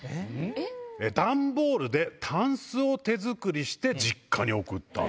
段ボールでたんすを手作りして、実家に送った。